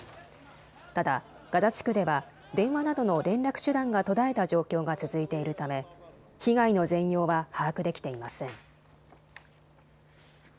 ただガザ地区では電話などの連絡手段が途絶えた状況が続いているため被害の全容は把握できていません。